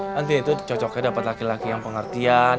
nanti itu cocoknya dapat laki laki yang pengertian